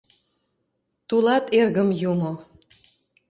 Тулат, эргым, юмо.